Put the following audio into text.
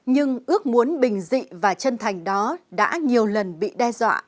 nhưng ước muốn bình dị và chân thành đó đã nhiều lần bị đeo